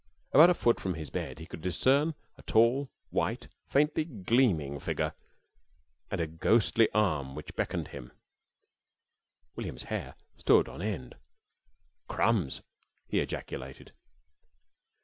About a foot from his bed he could discern a tall, white, faintly gleaming figure and a ghostly arm which beckoned him." William's hair stood on end. "Crumbs!" he ejaculated.